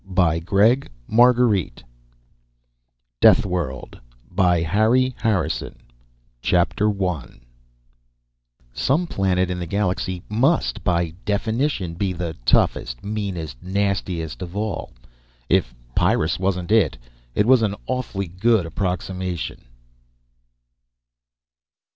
net DEATHWORLD BY HARRY HARRISON Illustrated by van Dongen _Some planet in the galaxy must by definition be the toughest, meanest, nastiest of all. If Pyrrus wasn't it ... it was an awfully good approximation!